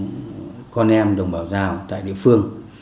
để cho con em đồng bào giao tại địa phương